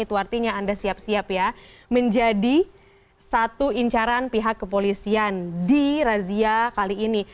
itu artinya anda siap siap ya menjadi satu incaran pihak kepolisian di razia kali ini